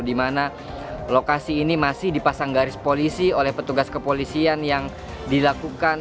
di mana lokasi ini masih dipasang garis polisi oleh petugas kepolisian yang dilakukan